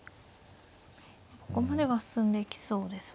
ここまでは進んでいきそうです。